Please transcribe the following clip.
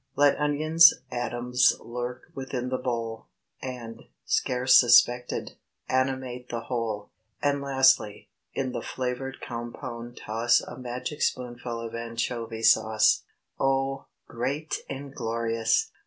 Let onions' atoms lurk within the bowl, And, scarce suspected, animate the whole; And lastly, in the flavored compound toss A magic spoonful of anchovy sauce. Oh, great and glorious!